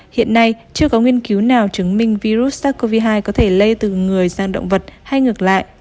hiện nay chưa có nghiên cứu nào chứng minh virus sars cov hai có thể lây từ người sang động vật hay ngược lại